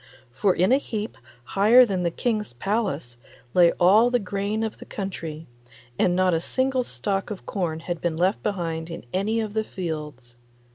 For in a heap higher than the King's palace lay all the grain of the country, and not a single stalk of corn had been left behind in any of the fields.